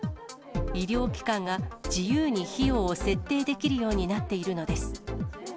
医療機関が自由に費用を設定できるようになっているのです。